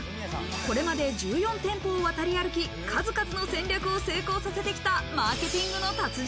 これまで１４店舗を渡り歩き、数々の戦略を成功させてきたマーケティングの達人。